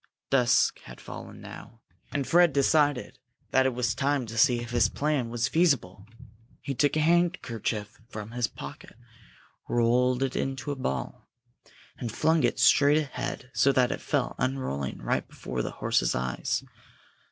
Dusk had fallen now, and Fred decided that it was time to see if his plan was feasible. He took a handkerchief from his pocket, rolled it into a ball, and flung it straight ahead, so that it fell, unrolling, right before the horse's eyes.